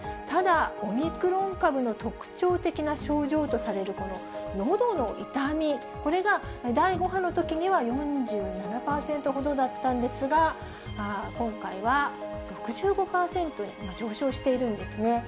ただ、オミクロン株の特徴的な症状とされたもの、のどの痛み、これが第５波のときには４７％ほどだったんですが、今回は６５％に上昇しているんですね。